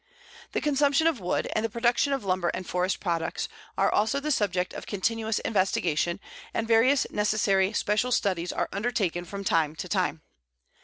The consumption of wood, and the production of lumber and forest products, are also the subject of continuous investigation, and various necessary special studies are undertaken from time to time.